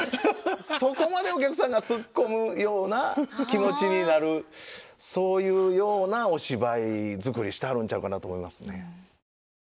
そこまでお客さんがツッコむような気持ちになるそういうようなお芝居作りしてはるんちゃうかなと思いますね。